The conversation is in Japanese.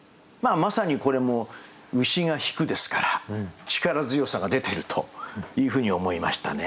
まさにこれも「牛が牽く」ですから力強さが出てるというふうに思いましたね。